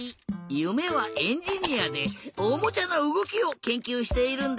ゆめはエンジニアでおもちゃのうごきをけんきゅうしているんだって！